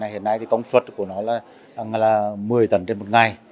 hiện nay thì công suất của nó là một mươi tấn trên một ngày